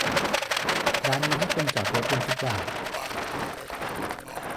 ร้านนี้ให้คนจอดรถบนฟุตบาท